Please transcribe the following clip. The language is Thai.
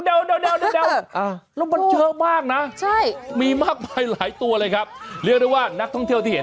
เดี๋ยวแล้วมันเยอะมากนะมีมากมายหลายตัวเลยครับเรียกได้ว่านักท่องเที่ยวที่เห็น